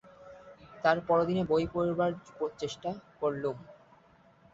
তার পরদিনে বই পড়বার চেষ্টা করলুম।